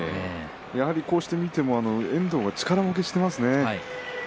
やはり、こうして見ても遠藤が力負けしていますね。